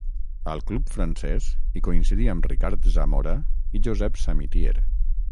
Al club francès hi coincidí amb Ricard Zamora i Josep Samitier.